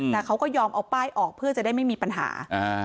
แต่เขาก็ยอมเอาป้ายออกเพื่อจะได้ไม่มีปัญหา